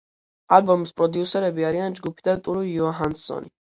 ალბომის პროდიუსერები არიან ჯგუფი და ტურე იუჰანსონი.